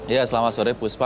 ya selamat sore puspa